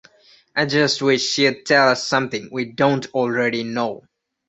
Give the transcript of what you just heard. I just wish she’d tell us something we don’t already know.